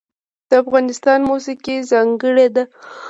د افغانستان موسیقی ځانګړې ده